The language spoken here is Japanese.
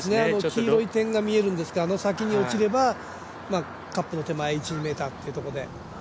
黄色い点が見えるんですがあの先に落ちればカップの手前、１２ｍっていうところで。